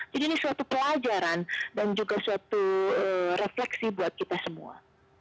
jadi ini suatu pelajaran dan juga suatu refleksi buat kita semua